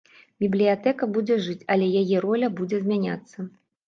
Бібліятэка будзе жыць, але яе роля будзе змяняцца.